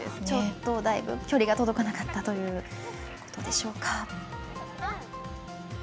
ちょっと距離が届かなかったということでしょうか。